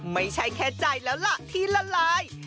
ไม่ใช่แค่ใจแล้วล่ะที่ละลาย